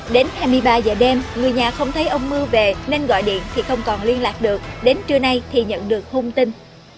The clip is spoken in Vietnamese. đến hai mươi ba giờ đêm người nhà không thấy ông mưa về nên gọi điện thì không còn liên lạc được đến trưa nay thì nhận được thông tin